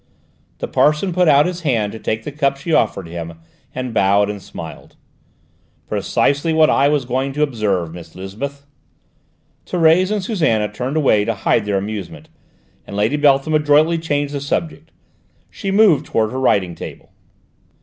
The parson put out his hand to take the cup she offered to him, and bowed and smiled. "Precisely what I was going to observe, Miss Lisbeth." Thérèse and Susannah turned away to hide their amusement, and Lady Beltham adroitly changed the subject. She moved towards her writing table.